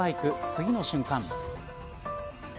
次の瞬間。